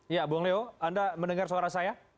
ya bung leo anda mendengar suara saya